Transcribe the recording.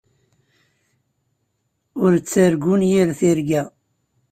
Ur ttargun yir tirga.